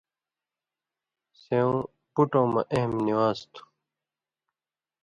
سېوں بُٹوں مہ اہم نِوان٘ز تُھو۔